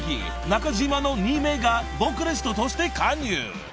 中島の２名がボーカリストとして加入］